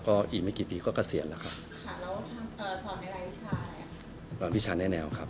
ก็อีกไม่กี่ปีก็เกษียณแหละค่ะค่ะแล้วทำสอนอะไรพิชาอะไรพิชาแนวนาวครับครับ